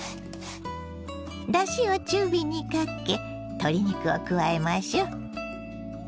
だしを中火にかけ鶏肉を加えましょ。